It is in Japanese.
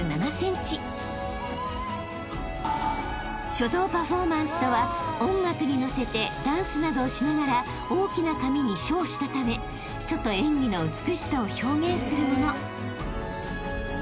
［書道パフォーマンスとは音楽にのせてダンスなどをしながら大きな紙に書をしたため書と演技の美しさを表現するもの］